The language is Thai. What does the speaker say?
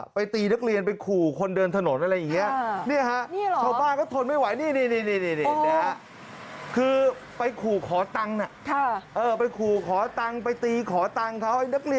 ตีนักเรียนไปขู่คนเดินถนนอะไรอย่างนี้